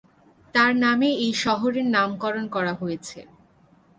তার নামে এই শহরের নামকরণ করা হয়েছে।